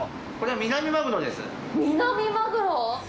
ミナミマグロ？